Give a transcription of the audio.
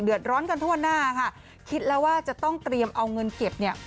เดือดร้อนกันทั่วหน้าค่ะคิดแล้วว่าจะต้องเตรียมเอาเงินเก็บเนี่ย